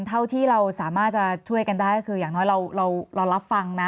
เท่าที่เราสามารถจะช่วยกันได้ก็คืออย่างน้อยเรารับฟังนะ